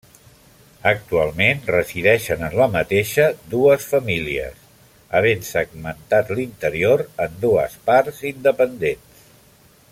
Actualment resideixen en la mateixa dues famílies, havent segmentat l'interior en dues parts independents.